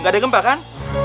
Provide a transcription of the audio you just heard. gak ada gempa kan